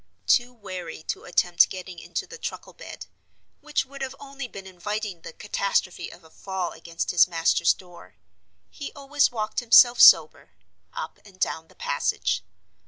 Too wary to attempt getting into the truckle bed (which would have been only inviting the catastrophe of a fall against his master's door), he always walked himself sober up and down the passage.